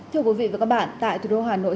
thưa quý vị và các bạn tại thủ đô hà nội